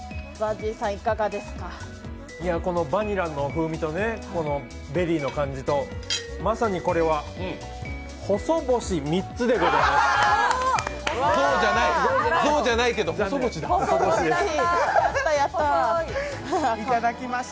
このバニラの風味とベリーの感じとまさに、これは細星３つでございます。